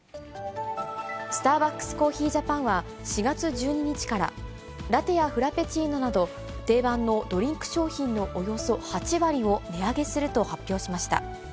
スターバックスコーヒージャパンは、４月１２日から、ラテやフラペチーノなど、定番のドリンク商品のおよそ８割を値上げすると発表しました。